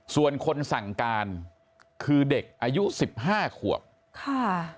ส่วนคนสั่งการคือเด็กอายุสิบห้าขวบค่ะ